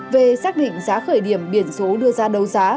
về xác định giá khởi điểm biển số đưa ra đấu giá